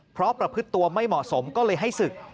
เพราะประพฤติตัวไม่เหมาะสมก็เลยให้ศึก